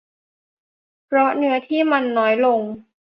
เพราะเนื้อที่มันน้อยลง